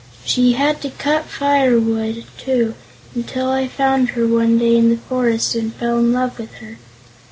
She had to cut firewood, too, until I found her one day in the forest and fell in love with her.